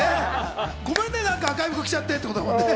ごめんね、赤い服着ちゃってって感じだもんね。